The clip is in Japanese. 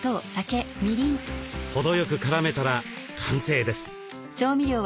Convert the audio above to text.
程よく絡めたら完成です。